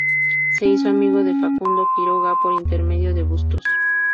Se hizo amigo de Facundo Quiroga por intermedio de Bustos.